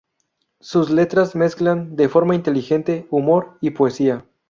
Sus letras mezclan de forma inteligente humor y poesía.